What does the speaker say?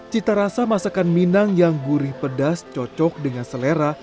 cita rasa masakan minang yang gurih pedas cocok dengan selera